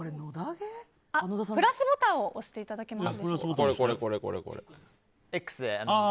プラスボタンを押していただけますか。